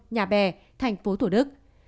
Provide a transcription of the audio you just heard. nhà bè tp thủ đức